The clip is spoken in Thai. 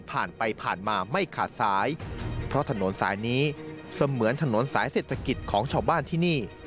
ผ่านไปผ่านมาไม่ขาดสายเพราะถนนสายนี้เสมือนถนนสายเศรษฐกิจของชาวบ้านที่นี่